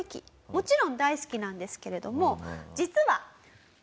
もちろん大好きなんですけれども。